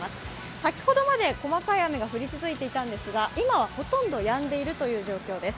先ほどまで細かい雨が降り続いていたんですが今はほとんどやんでいるという状況です。